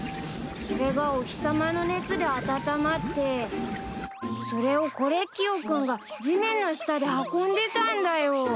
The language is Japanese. それがお日さまの熱で温まってそれをコレッキオ君が地面の下で運んでたんだよ。